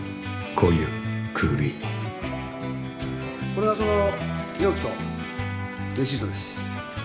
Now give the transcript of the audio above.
これがその容器とレシートです。